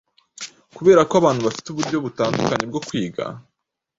Kuberako abantu bafite uburyo butandukanye bwo kwiga